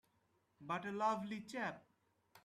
But a lovely chap!